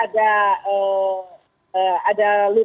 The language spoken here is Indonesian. jadi bukan karena tenak lahar bukan